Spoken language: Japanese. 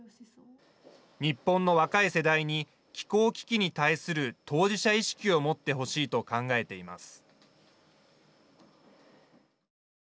日本の若い世代に気候危機に対する当事者意識を持ってほしいと考えています。